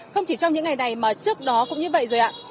không chỉ trong những ngày này mà trước đó cũng như vậy rồi ạ